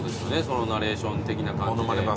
そのナレーション的な感じで。